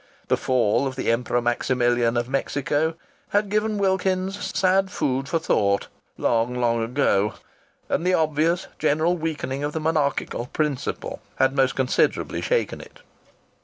The fall of the Emperor Maximilian of Mexico had given Wilkins's sad food for thought long, long ago, and the obvious general weakening of the monarchical principle had most considerably shaken it.